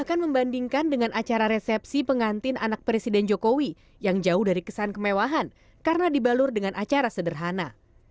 bahkan membandingkan dengan acara resepsi pengantin anak presiden jokowi yang jauh dari kesan kemewahan karena dibalur dengan acara sederhana